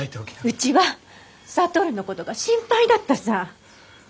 うちは智のことが心配だったさぁ。